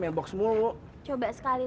dan nyonya juga disuruh cari non talitha